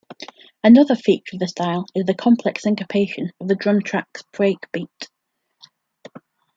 Another feature of the style is the complex syncopation of the drum tracks' breakbeat.